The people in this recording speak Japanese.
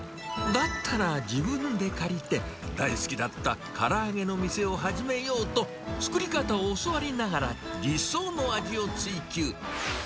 だったら、自分で借りて、大好きだったから揚げの店を始めようと、作り方を教わりながら、理想の味を追求。